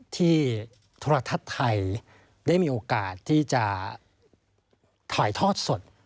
ที่โทรทัศน์ไทยได้มีโอกาสที่จะถ่ายทอดสด